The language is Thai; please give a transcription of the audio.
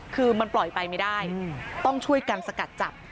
คือมันปล่อยไปไม่ได้ต้องช่วยกันสกัดจับ